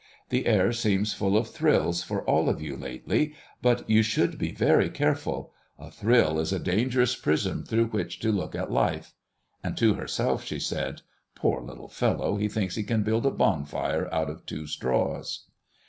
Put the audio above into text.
The air seems full of thrills for all of you lately, but you should be very careful; a thrill is a dangerous prism through which to look at life." And to herself she said, "Poor little fellow! he thinks he can build a bonfire out of two straws."